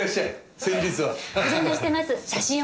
先日は。